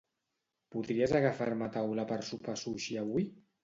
Podries agafar-me taula per sopar sushi avui?